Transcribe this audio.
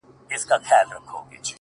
• څنگه دي د زړه سيند ته غوټه سمه ـ